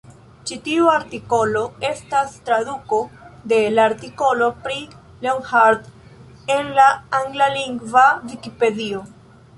Ĉi tiu artikolo estas traduko de la artikolo pri Leonhard en la anglalingva Vikipedio.